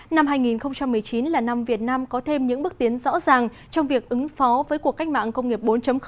năm hai nghìn một mươi chín là năm việt nam có thêm những bước tiến rõ ràng trong việc ứng phó với cuộc cách mạng công nghiệp bốn